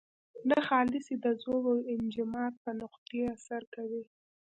ناخالصې د ذوب او انجماد په نقطې اثر کوي.